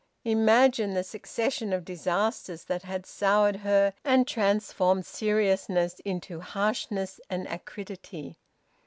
Imagine the succession of disasters that had soured her and transformed seriousness into harshness and acridity!